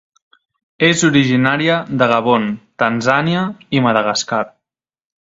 És originària de Gabon, Tanzània i Madagascar.